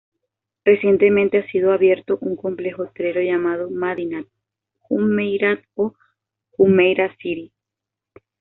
Recientemente ha sido abierto un complejo hotelero llamado Madinat Jumeirah, o "Jumeirah City,".